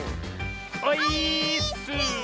オイーッス！